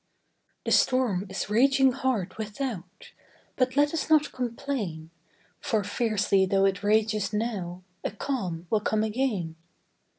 The storm is raging hard, without; But let us not complain, For fiercely tho' it rages now, A calm will come again.